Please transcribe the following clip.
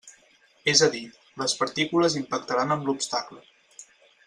És a dir, les partícules impactaran amb l'obstacle.